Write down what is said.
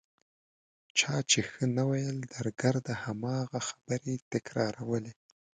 چا چې ښه نه ویل درګرده هماغه خبرې تکرارولې.